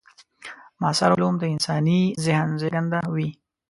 معاصر علوم د انساني ذهن زېږنده وي.